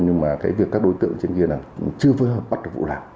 nhưng mà cái việc các đối tượng trên kia là cũng chưa phối hợp bắt được vụ nào